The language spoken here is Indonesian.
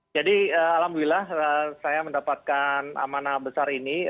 jadi alhamdulillah saya mendapatkan amanah besar ini